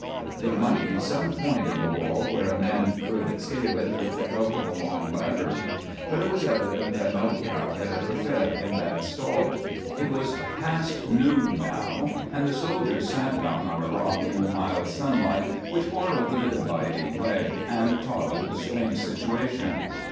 There might be some point in the wall where a man could scale it with the help of a long ladder, but it was evident that no cow had ever fed in that stall. It was past noon now, and the soldiers sat down on a rock in the mild sunlight which poured over the dividing ledge, and talked of the strange situation.